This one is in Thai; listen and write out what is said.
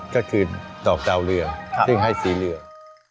ก็คือต่อเจาะเหลืองซึ่งให้สีเหลือง